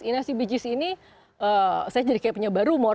inasibijis ini saya jadi kayak penyebar rumor